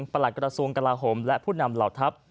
หลักกระทรวงกลาโหมและผู้นำเหล่าทัพ